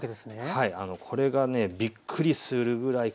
はい。